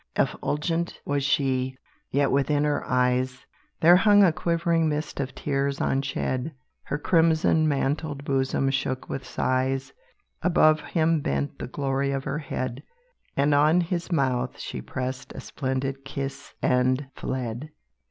Effulgent was she; yet within her eyes, There hung a quivering mist of tears unshed. Her crimson mantled bosom shook with sighs; Above him bent the glory of her head; And on his mouth she pressed a splendid kiss, and fled.